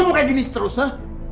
lo mau kayak gini seterus ha